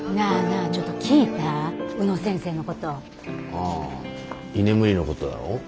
ああ居眠りの事だろ。